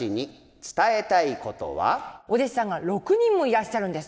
お弟子さんが６人もいらっしゃるんです。